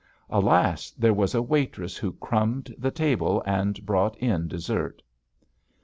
Alas, there was a waitress who crumbed the table and brought in dessert.